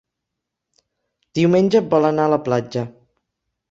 Diumenge vol anar a la platja.